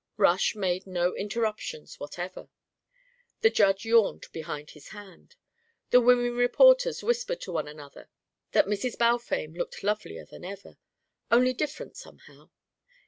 Rush made no interruptions whatever. The Judge yawned behind his hand. The women reporters whispered to one another that Mrs. Balfame looked lovelier than ever only different, somehow.